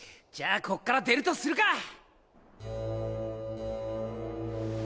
じゃあこっから出るとするか！